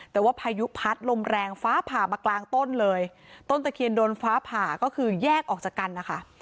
แต่ว่าพายุพัดลมแรงฟ้าผ่ามากลางต้นเลยต้นตะเคียนโดนฟ้าผ่าก็คือแยกออกจากกันนะคะ